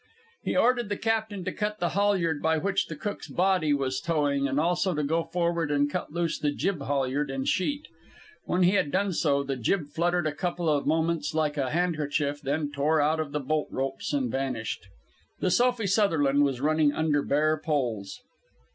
He ordered the captain to cut the halyard by which the cook's body was towing, and also to go forward and cut loose the jib halyard and sheet. When he had done so, the jib fluttered a couple of moments like a handkerchief, then tore out of the bolt ropes and vanished. The Sophie Sutherland was running under bare poles.